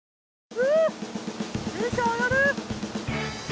うテンション上がる！